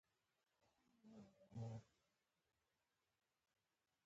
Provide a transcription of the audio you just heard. لویې ګټې د قدرت پر مټ ترلاسه کېدې.